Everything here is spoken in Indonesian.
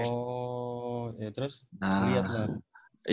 oh ya terus lihat lah